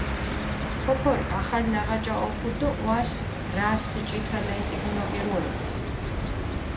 ფოფორი ახალ ნაღაჭა ჸოფუდჷ დო ჸვას რასი ჭითა ლენტა გუნოკირუედჷ.